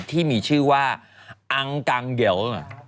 ที่มีชื่อว่าอังกังเดี๋ยว